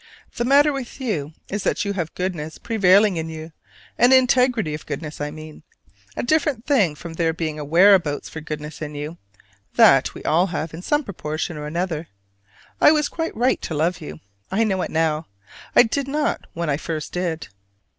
The matter with you is that you have goodness prevailing in you, an integrity of goodness, I mean: a different thing from there being a whereabouts for goodness in you; that we all have in some proportion or another. I was quite right to love you: I know it now, I did not when I first did.